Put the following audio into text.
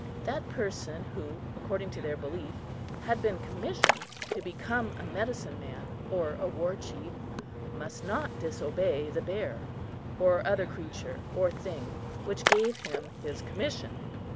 That person who, according to their belief, had been commissioned to become a medicine man or a war chief, must not disobey the bear or other creature or thing which gave him his commission.